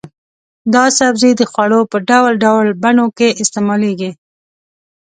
دا سبزی د خوړو په ډول ډول بڼو کې استعمالېږي.